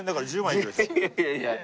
いやいやいやいや。